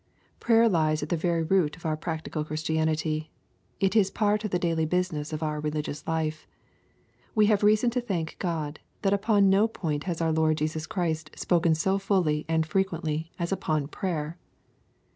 Prayer lies at the very root of our practical Christianity. It is part of the daily business of our religious life. We have reason to thank God, that upon no point has our Lord Je«us Christ spoken so fully and frequently as upon prayer.